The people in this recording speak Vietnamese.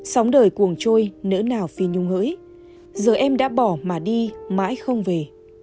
sóng đời cuồng trôi nỡ nào phi nhung hỡi giờ em đã bỏ mà đi mãi không về